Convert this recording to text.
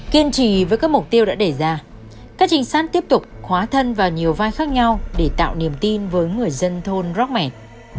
kiên trì với các mục tiêu đã đề ra các trinh sát tiếp tục khóa thân vào nhiều vai khác nhau để tạo niềm tin với người dân thôn rockman